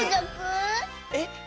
えっ？